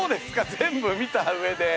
全部見た上で。